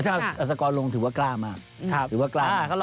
อัศกรณ์ลงถือว่ากล้ามาก